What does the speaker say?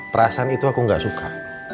perasaan itu aku gak suka